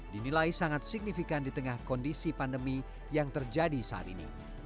dinilai sangat signifikan di tengah kondisi pandemi yang terjadi saat ini